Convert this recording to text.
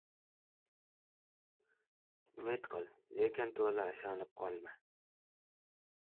• Umid qil, lekin to‘la ishonib qolma.